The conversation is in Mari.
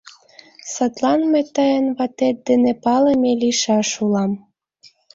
— Садлан мый тыйын ватет дене палыме лийшаш улам.